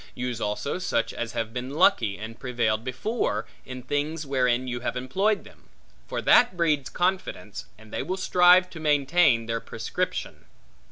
Use also such as have been lucky, and prevailed before, in things wherein you have employed them; for that breeds confidence, and they will strive to maintain their prescription.